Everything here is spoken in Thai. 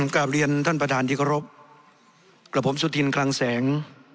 กลับเรียนท่านประธานที่เคารพกับผมสุธินคลังแสง